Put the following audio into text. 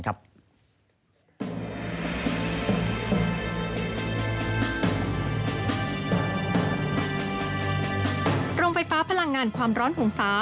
โรงไฟฟ้าพลังงานความร้อนหงษา